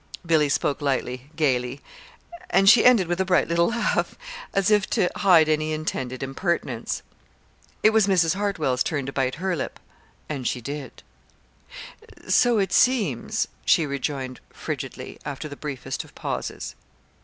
Billy spoke lightly, gayly; and she ended with a bright little laugh, as if to hide any intended impertinence. It was Mrs. Hartwell's turn to bite her lip and she did it. "So it seems," she rejoined frigidly, after the briefest of pauses.